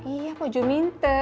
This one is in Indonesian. iya pak jum minta